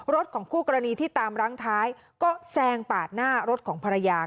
รถของคู่กรณีที่ตามรั้งท้ายก็แซงปาดหน้ารถของภรรยา